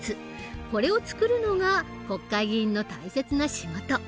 これを作るのが国会議員の大切な仕事。